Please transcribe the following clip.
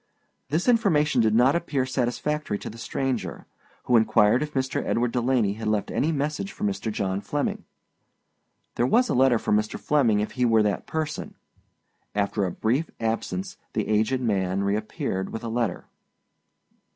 This information did not appear satisfactory to the stranger, who inquired if Mr. Edward Delaney had left any message for Mr. John Flemming. There was a letter for Mr. Flemming if he were that person. After a brief absence the aged man reappeared with a Letter.